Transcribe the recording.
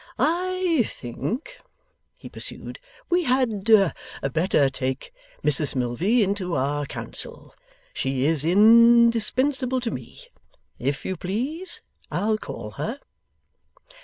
'I think,' he pursued, 'we had better take Mrs Milvey into our Council. She is indispensable to me. If you please, I'll call her.